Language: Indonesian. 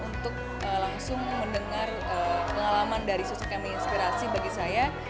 untuk langsung mendengar pengalaman dari sosok kami inspirasi bagi saya